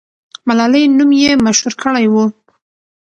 ملالۍ نوم یې مشهور کړی وو.